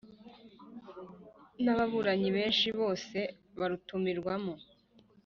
N ababuranyi benshi bose barutumirwamo